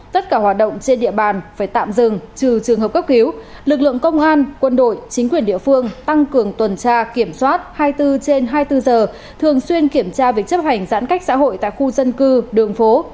tất cả hoạt động trên địa bàn phải tạm dừng trừ trường hợp cấp cứu lực lượng công an quân đội chính quyền địa phương tăng cường tuần tra kiểm soát hai mươi bốn trên hai mươi bốn giờ thường xuyên kiểm tra việc chấp hành giãn cách xã hội tại khu dân cư đường phố